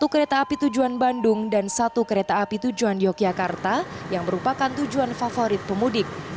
satu kereta api tujuan bandung dan satu kereta api tujuan yogyakarta yang merupakan tujuan favorit pemudik